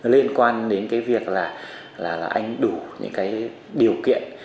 liên quan đến việc là anh đủ những điều kiện